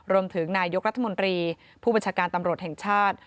รวมถึงนายกรัฐมนตรีผู้บัญชาการตำรวจแห่งชาติ